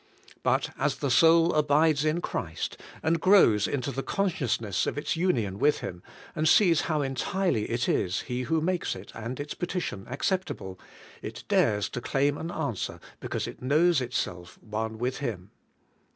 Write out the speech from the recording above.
But as the soul abides in Christ, and grows into the consciousness of its union with Him, and sees how entirely it is He who makes it and its petition acceptable, it dares to claim an answer because it knows itself one with Him.